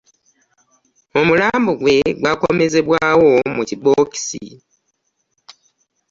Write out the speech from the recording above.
Omulambo gwe gwakomezebwawo mu kibokisi